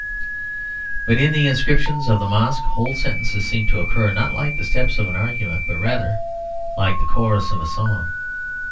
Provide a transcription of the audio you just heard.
But in the inscriptions of the Mosque whole sentences seem to occur, not like the steps of an argument, but rather like the chorus of a song.